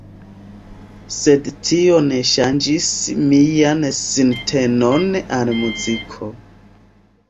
Sed tio ne ŝanĝis mian sintenon al muziko.